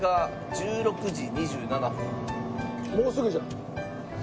もうすぐじゃん。